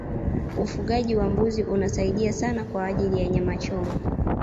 ufugaji wa mbuzi unasiadia sana kwa ajili ya nyama choma